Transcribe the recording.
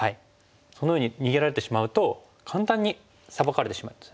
そのように逃げられてしまうと簡単にサバかれてしまうんですね。